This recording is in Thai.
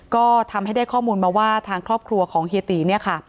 ก็ทำให้ได้ข้อมูลมาว่าทางครอบครัวของเฮียตีเนี่ยค่ะ